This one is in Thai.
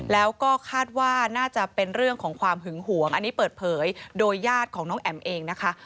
แล้วก็คาดว่าน่าจะเป็นเรื่องของความหึงหวงอันนี้เปิดเผยโดยญาติของน้องแอ๋มเองนะคะ